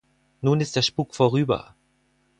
Nun ist der Spuk vorüber!